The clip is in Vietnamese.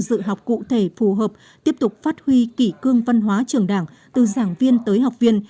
dự học cụ thể phù hợp tiếp tục phát huy kỷ cương văn hóa trường đảng từ giảng viên tới học viên